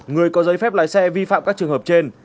người có giấy phép lái xe vi phạm các trường hợp trên